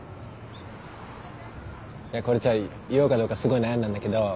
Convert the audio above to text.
いやこれ言おうかどうかすごい悩んだんだけど。